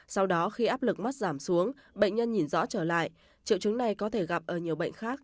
sau đó khi áp lực mất giảm xuống bệnh nhân nhìn rõ trở lại triệu chứng này có thể gặp ở nhiều bệnh khác